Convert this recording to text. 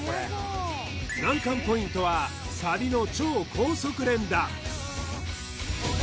難関ポイントはサビの超高速連打